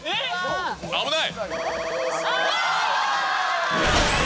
危ない。